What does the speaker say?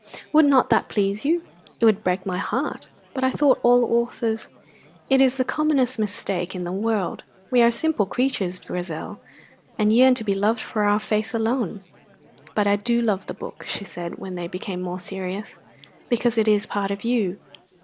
"Would not that please you?" "It would break my heart." "But I thought all authors " "It is the commonest mistake in the world. We are simple creatures, Grizel, and yearn to be loved for our face alone." "But I do love the book," she said, when they became more serious, "because it is part of you."